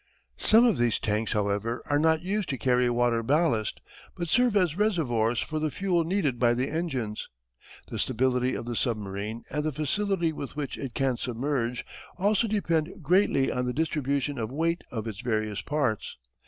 Some of these tanks, however, are not used to carry water ballast, but serve as reservoirs for the fuel needed by the engines. The stability of the submarine and the facility with which it can submerge also depend greatly on the distribution of weight of its various parts.